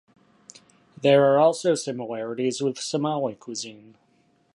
There are also similarities with Somali cuisine.